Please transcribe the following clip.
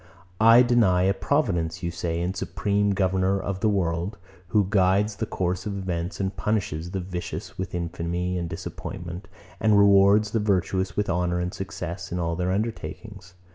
I deny a providence, you say, and supreme governor of the world, who guides the course of events, and punishes the vicious with infamy and disappointment, and rewards the virtuous with honour and success, in all their undertakings.